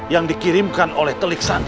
yang dikirimkan oleh telik sana